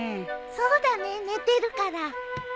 そうだね寝てるから。